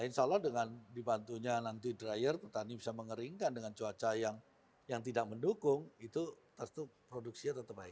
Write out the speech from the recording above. insya allah dengan dibantunya nanti dryer petani bisa mengeringkan dengan cuaca yang tidak mendukung itu tentu produksinya tetap baik